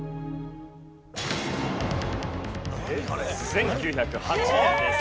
１９０８年です。